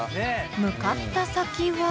向かった先は。